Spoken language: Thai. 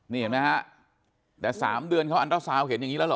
นี่เห็นไหมฮะแต่๓เดือนเขาอันตราซาวน์เห็นอย่างนี้แล้วเหรอ